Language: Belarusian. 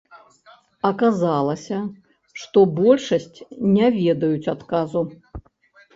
Аказалася, што большасць не ведаюць адказу.